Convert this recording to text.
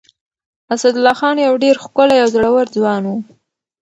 اسدالله خان يو ډېر ښکلی او زړور ځوان و.